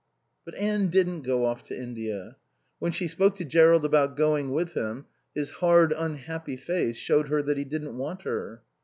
But Anne didn't go off to India. When she spoke to Jerrold about going with him his hard, unhappy face showed her that he didn't want her.